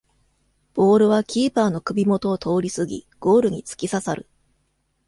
ボールはキーパーの首もとを通りすぎゴールにつきささる